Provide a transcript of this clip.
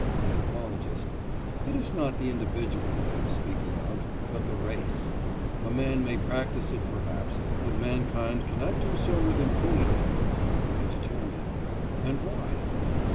ANTHROPOLOGIST: It is not the individual that I am speaking of, but the race. A man may practise it perhaps; but mankind cannot do so with impunity. VEGETARIAN: And why?